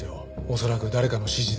恐らく誰かの指示で。